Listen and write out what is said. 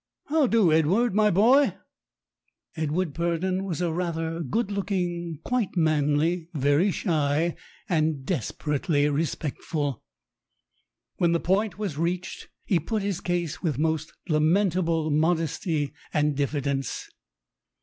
How'do, Edward, my boy?" Edward Purdon was rather good looking, quite manly, very shy, and desperately respectful. When the point was reached, he put his case with most lamentable modesty and diffidence.